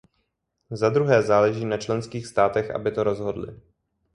Zadruhé, záleží na členských státech, aby to rozhodly.